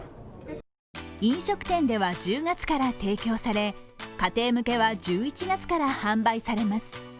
飲食店では１０月から提供され家庭向けは１１月から販売されます。